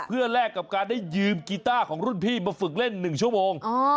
เพื่อแลกกับการได้ยืมกีต้าของรุ่นพี่มาฝึกเล่น๑ชั่วโมง